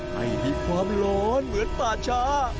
ให้มีความร้อนเหมือนป่าช้า